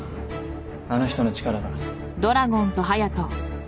あの人の力が。